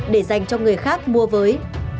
để dành cho người khác mua với